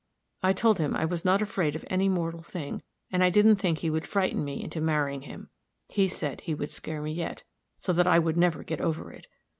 I told him I was not afraid of any mortal thing, and I didn't think he would frighten me into marrying him. He said he would scare me yet, so that I would never get over it.